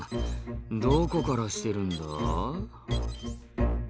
「どこからしてるんだ？」